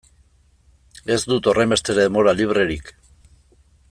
Ez dut horrenbeste denbora librerik.